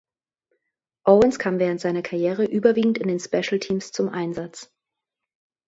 Owens kam während seiner Karriere überwiegend in den Special Teams zum Einsatz.